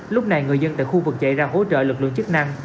lúc này người dân tại khu vực chạy ra hỗ trợ lực lượng chức năng